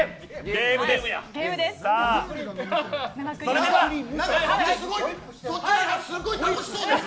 ゲームです。